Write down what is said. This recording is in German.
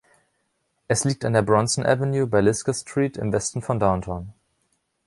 Es liegt an der Bronson Avenue bei Lisgar Street im Westen von Downtown.